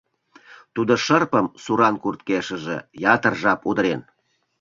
Тудо шырпым суран курткешыже ятыр жап удырен.